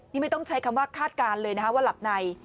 นี่ไม่ต้องใช้คำว่าคาดการณ์เลยนะคะว่าหลับใน